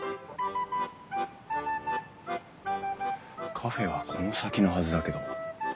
カフェはこの先のはずだけど。